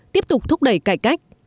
tiếp tục thúc đẩy cải cách